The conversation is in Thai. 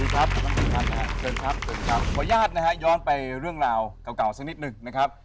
ขออนุญาตนะครับย้อนไปเรื่องราวเก่าสักนิดนึงนะครับ